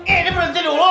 ini berhenti dulu